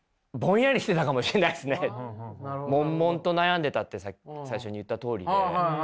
もんもんと悩んでたって最初に言ったとおりで。